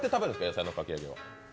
野菜のかき揚げ。